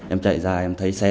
em chạy ra em thấy xe